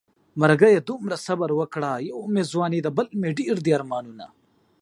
مرګيه دومره صبر وکړه يو مې ځواني ده بل مې ډېر دي ارمانونه